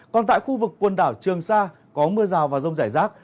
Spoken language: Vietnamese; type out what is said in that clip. còn tại khu vực quần đảo trường sa có mưa rào và rông rải rác